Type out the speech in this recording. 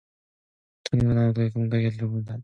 동혁은 아우가 감기나 들까 보아 다시 문을 닫았다.